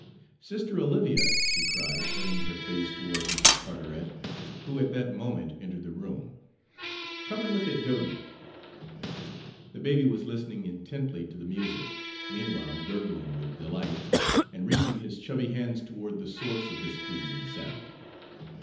"Sister Olivia," she cried, turning her face toward Mrs. Carteret, who at that moment entered the room, "come and look at Dodie." The baby was listening intently to the music, meanwhile gurgling with delight, and reaching his chubby hands toward the source of this pleasing sound.